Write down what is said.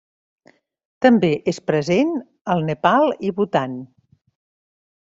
També és present al Nepal i Bhutan.